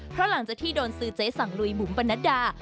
เพราะหลังจากที่โดนซื้อเจ๊สั่งลุยบุ๋มปนัดดา